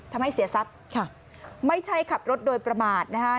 ทำให้เสียทรัพย์ค่ะไม่ใช่ขับรถโดยประมาทนะคะ